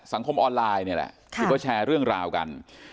สังคมออนไลน์นี่แหละที่เขาแชร์เรื่องราวกัน